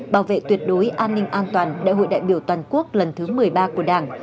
bảo vệ tuyệt đối an ninh an toàn đại hội đại biểu toàn quốc lần thứ một mươi ba của đảng